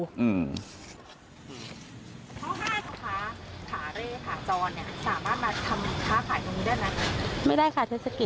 อืมพ่อห้าของค้าข้าเรศข้าจรเนี่ยสามารถมาทำค้าขายตรงนี้ได้ไหม